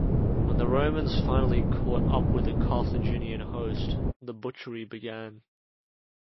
When the Romans finally caught up with the Carthaginian host, the butchery began.